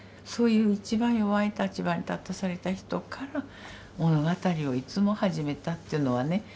そういう一番弱い立場に立たされた人から物語をいつも始めたっていうのはね